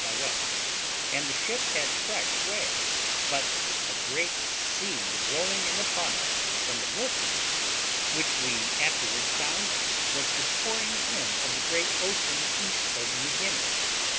by W., and the ship had fresh way, but a great sea rolling in upon us from the N.E., which we afterwards found was the pouring in of the great ocean east of New Guinea.